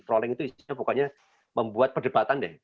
trolling itu isinya bukannya membuat perdebatan deh